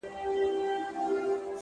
ټوله شپه خوبونه وي!